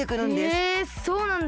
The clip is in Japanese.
へえそうなんだ。